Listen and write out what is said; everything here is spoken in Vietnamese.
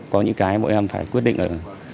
có những cái bọn em phải quyết định ở